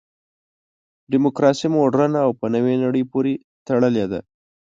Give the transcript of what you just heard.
دیموکراسي مډرنه او په نوې نړۍ پورې تړلې ده.